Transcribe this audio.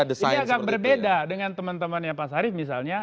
ini agak berbeda dengan teman temannya pak sarif misalnya